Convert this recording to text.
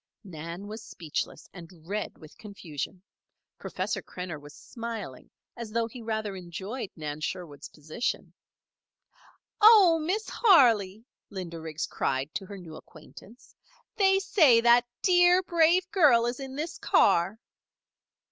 Nan was speechless, and red with confusion. Professor Krenner was smiling, as though he rather enjoyed Nan Sherwood's position. "Oh, Miss Harley!" Linda Riggs cried to her new acquaintance. "They say that dear, brave girl is in this car."